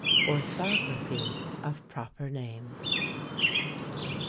ORTHOGRAPHY OF PROPER NAMES.